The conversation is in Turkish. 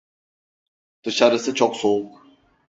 Dışarısı çok soğuk.